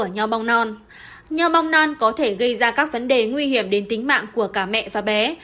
nhờ mong non có thể gây ra các vấn đề nguy hiểm đến tính mạng của cả mẹ và bé